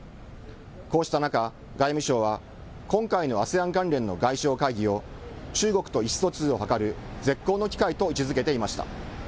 こうした中、外務省は、今回のＡＳＥＡＮ関連の外相会議を、中国と意思疎通を図る絶好の機会と位置づけていました。